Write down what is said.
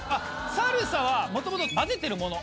サルサはもともと混ぜてるもの。